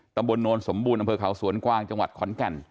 โนนสมบูรณ์อำเภอเขาสวนกวางจังหวัดขอนแก่น